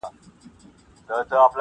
o هر کور کي لږ غم شته او لږ چوپتيا,